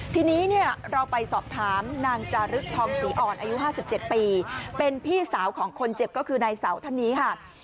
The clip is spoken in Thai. ทีนี้เนี่ยเราไปสอบถามนางจารึกทองศรีอ่อนอายุ๕๗ปีเป็นพี่สาวของคนเจ็บก็คือนายเสาท่านนี้ค่ะ